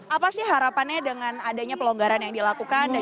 apa sih harapannya dengan adanya pelonggaran yang dilakukan dan juga adanya